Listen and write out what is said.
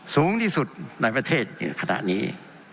สูงที่สุดในประเทศคณะนี้